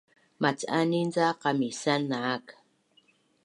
Mac’anin ca qamisan naak